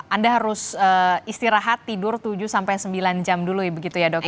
anda harus istirahat tidur tujuh sampai sembilan jam dulu begitu ya dokter